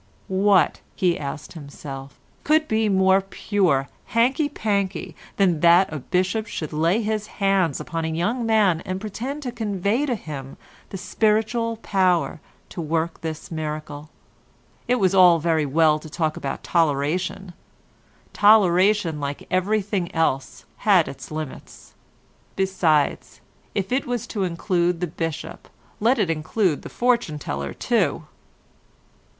What," he asked himself, "could be more pure 'hanky panky' than that a bishop should lay his hands upon a young man and pretend to convey to him the spiritual power to work this miracle? It was all very well to talk about toleration; toleration, like everything else, had its limits; besides, if it was to include the bishop let it include the fortune teller too."